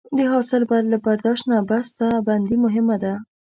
د حاصل بعد له برداشت نه بسته بندي مهمه ده.